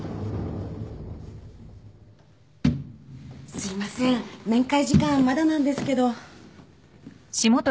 ・すいません面会時間まだなんですけど。